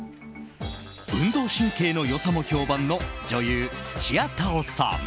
運動神経の良さも評判の女優・土屋太鳳さん。